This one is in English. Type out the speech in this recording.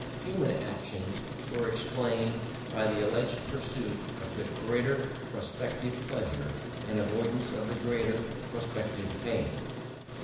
Human actions were explained by the alleged pursuit of the greater prospective pleasure, and avoidance of the greater prospective pain.